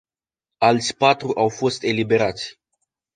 Alți patru au fost eliberați.